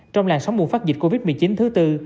trong làn sóng bùng phát dịch covid một mươi chín thứ tư